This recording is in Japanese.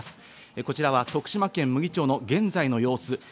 こちらは徳島県牟岐町の現在の様子。